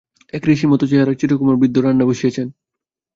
এক ঋষির মতো চেহারার চিরকুমার বৃদ্ধ রান্না বসিয়েছেন।